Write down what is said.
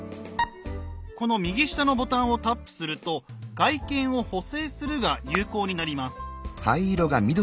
この右下のボタンをタップすると「外見を補正する」が有効になります。